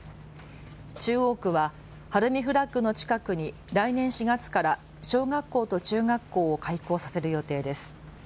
中央区は晴海フラッグの近くに来年４月から小学校と中学校を開校させる予定です。